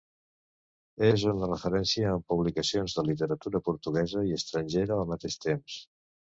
És una referència en publicacions de literatura portuguesa i estrangera al mateix país.